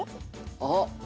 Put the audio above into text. あっ！